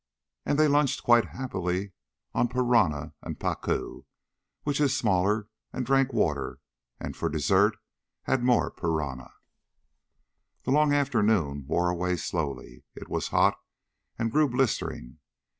And they lunched quite happily on piranha and pacu which is smaller and drank water, and for dessert had more piranha. The long afternoon wore away slowly. It was hot, and grew blistering.